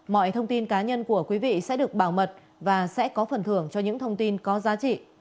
mọi thông tin cá nhân của quý vị sẽ được bảo mật và sẽ có phần thưởng cho những thông tin có giá trị